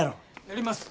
やります。